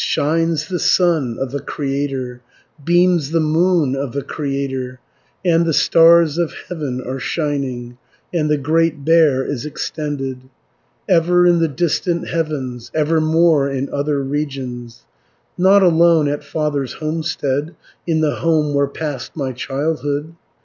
Shines the sun of the Creator, Beams the moon of the Creator, And the stars of heaven are shining, And the Great Bear is extended Ever in the distant heavens, Evermore in other regions, 360 Not alone at father's homestead, In the home where passed my childhood.